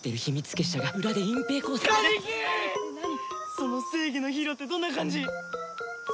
その正義のヒーローってどんな感じ？